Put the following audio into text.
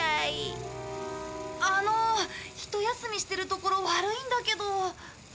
あのひと休みしてるところ悪いんだけど。